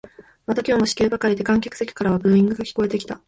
また今日も四球ばかりで観客席からはブーイングが聞こえてきた